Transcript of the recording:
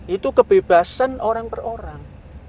itu kebebasan orang per orang